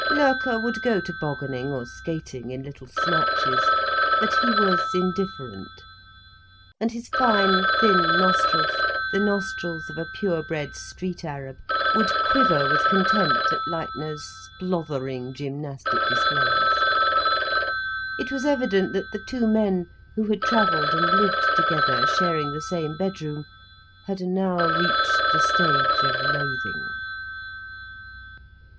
Loerke would go toboganning or skating, in little snatches, but he was indifferent. And his fine, thin nostrils, the nostrils of a pure bred street arab, would quiver with contempt at Leitner's splothering gymnastic displays. It was evident that the two men who had travelled and lived together, sharing the same bedroom, had now reached the stage of loathing.